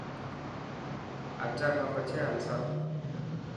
اچر کان پڇي هلسان.